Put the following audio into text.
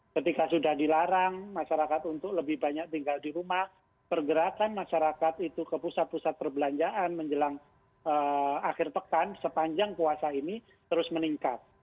ketika sudah dilarang masyarakat untuk lebih banyak tinggal di rumah pergerakan masyarakat itu ke pusat pusat perbelanjaan menjelang akhir pekan sepanjang puasa ini terus meningkat